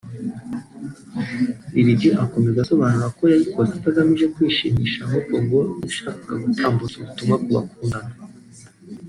Lil G akomeza asobanura ko yayikoze atagamije kwishimisha ahubwo ngo yashakaga gutambutsa ubutumwa ku bakundana